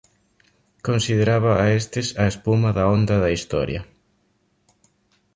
Consideraba a estes a espuma da onda da Historia.